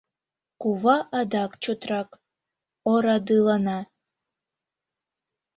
Кува адак чотрак орадылана;